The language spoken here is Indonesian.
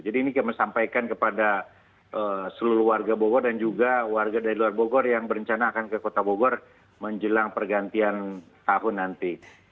jadi ini kita menyampaikan kepada seluruh warga bogor dan juga warga dari luar bogor yang berencana akan ke kota bogor menjelang pergantian tahun nanti